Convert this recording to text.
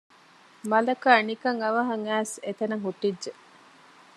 މަލަކާ ނިކަން އަވަހަށް އައިސް އެތަނަށް ހުއްޓިއްޖެ